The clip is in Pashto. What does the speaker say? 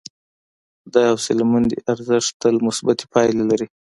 د حوصلهمندي ارزښت تل مثبتې پایلې لري.